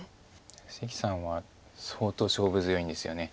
関さんは相当勝負強いんですよね。